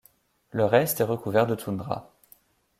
Le reste est recouvert de toundra.